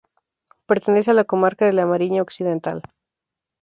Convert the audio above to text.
Pertenece a la Comarca de La Mariña Occidental.